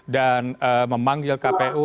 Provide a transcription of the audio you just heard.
dan memanggil kpu